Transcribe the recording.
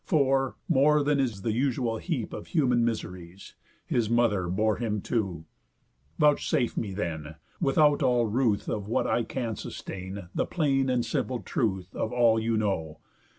For, more than is The usual heap of human miseries, His mother bore him to. Vouchsafe me then, Without all ruth of what I can sustain, The plain and simple truth of all you know.